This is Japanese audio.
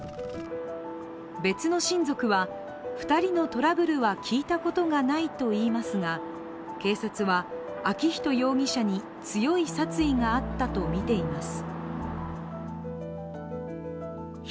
別の親族は、２人のトラブルは聞いたことがないと言いますが警察は、昭仁容疑者に強い殺意があったとみています。